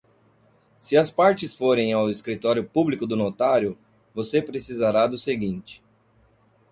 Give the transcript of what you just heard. Se as partes forem ao escritório público do notário, você precisará do seguinte: